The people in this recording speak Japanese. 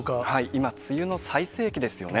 今、梅雨の最盛期ですよね。